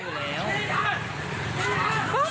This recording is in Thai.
โห